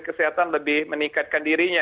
kesehatan lebih meningkatkan dirinya